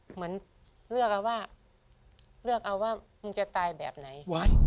เหมือนเลือกเอาว่าเลือกเอาว่ามึงจะตายแบบไหน